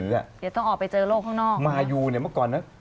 เค้าก็ไปอยู่ในสังคมของเค้า